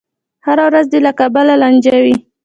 هره ورځ دې له کبله لانجه وي.